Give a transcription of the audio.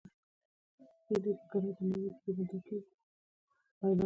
چې له مخزېږدي نه زرګونه کاله دمخه دود و.